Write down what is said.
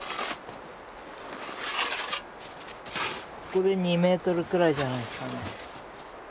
ここで２ｍくらいじゃないですかね。